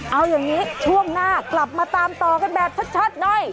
เอาอย่างนี้ช่วงหน้ากลับมาตามต่อกันแบบชัดหน่อย